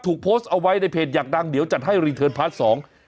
ถูกโพสต์เอาไว้ในเพจอยากดังเดี๋ยวจัดให้รีเทิร์นพาร์ทสอง